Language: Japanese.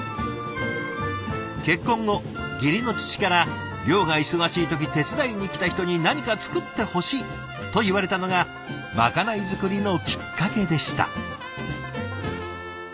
結婚後義理の父から漁が忙しい時手伝いに来た人に何か作ってほしいと言われたのがまかない作りのきっかけでした。